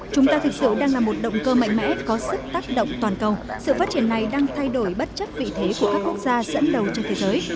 chúng ta thực sự đang là một động cơ mạnh mẽ có sức tác động toàn cầu sự phát triển này đang thay đổi bất chấp vị thế của các quốc gia dẫn đầu trên thế giới